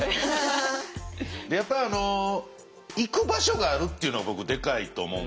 やっぱ行く場所があるっていうのは僕でかいと思うんですよ。